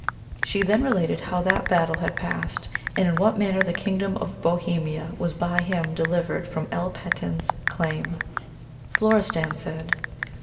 She then related how that battle had past, and in 'what manner the kingdom of Bohemia was by him delivered from El Patin's claim. Florestan said.